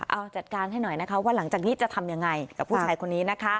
เอาจัดการให้หน่อยนะคะว่าหลังจากนี้จะทำยังไงกับผู้ชายคนนี้นะคะ